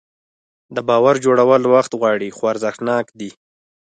د باور جوړول وخت غواړي خو ارزښتناک دی.